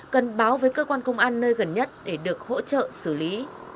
cần báo với cơ quan công an nơi gần nhất để được hỗ trợ xử lý